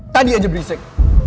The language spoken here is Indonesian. tadi aja berisik